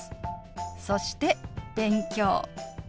そして「勉強」。